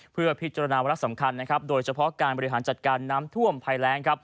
เพื่อพิจารณาวาระสำคัญโดยเฉพาะการบริหารจัดการน้ำท่วมภัยแรง